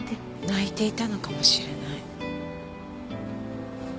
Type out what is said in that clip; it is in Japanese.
泣いていたのかもしれない。